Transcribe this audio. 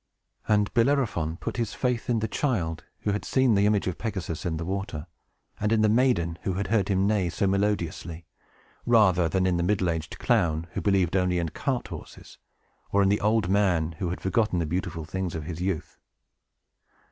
And Bellerophon put his faith in the child, who had seen the image of Pegasus in the water, and in the maiden, who had heard him neigh so melodiously, rather than in the middle aged clown, who believed only in cart horses, or in the old man who had forgotten the beautiful things of his youth.